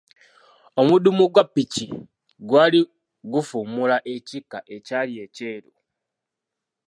Omudumu gwa ppiki gwali gufuumuula ekikka ekyali ekyeru.